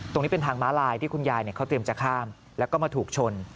ตรงนี้เป็นทางม้าลายที่คุณยายเขาเตรียมจะข้ามแล้วก็มาถูกชน